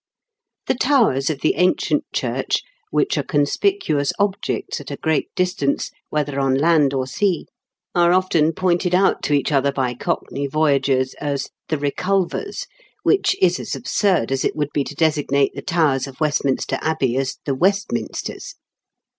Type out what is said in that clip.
The towers of the ancient church, which are conspicuous objects at a great distance, whether on land or sea, are often pointed out to each other by cockney voyagers as The Eeculvers," which is as absurd as it would be to designate the towers of Westminster Abbey as "The Westminsters."